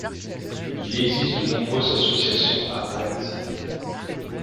Il existe de nombreuses associations à Agdz.